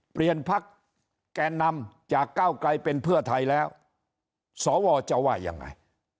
พักแกนนำจากก้าวไกลเป็นเพื่อไทยแล้วสวจะว่ายังไง